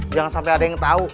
jangan sampe ada yang tau